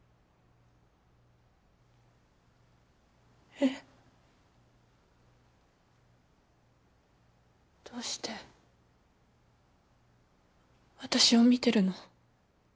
えっ？どうして私を見てるの？